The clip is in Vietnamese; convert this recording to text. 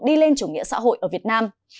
đi lên chủ nghĩa xã hội ở việt nam